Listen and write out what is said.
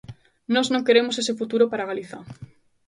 Nós non queremos ese futuro para Galiza.